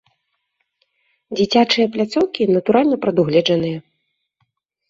Дзіцячыя пляцоўкі, натуральна, прадугледжаныя.